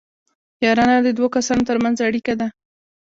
یارانه د دوو کسانو ترمنځ اړیکه ده